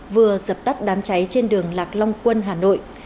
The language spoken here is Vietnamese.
vừa dập tắt đám cháy trên đường lạc long quân hà nội